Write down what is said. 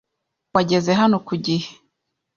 Wageze hano ku gihe.